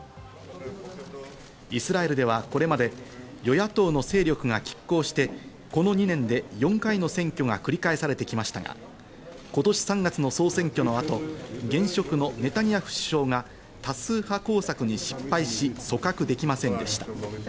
イスラエルではこれまで、与野党の勢力がきっ抗して、この２年で４回の選挙が繰り返されてきましたが、今年３月の総選挙の後、現職のネタニヤフ首相が多数派工作に失敗し、組閣できませんでした。